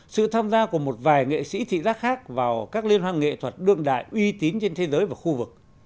sự tham gia của một vài nghệ sĩ thị giác khác vào các liên hoan nghệ thuật đương đại uy tín trên thế giới và khu vực